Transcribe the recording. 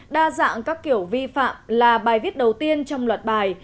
đa dạng các kiểu vi phạm là bài viết đầu tiên trong loạt bài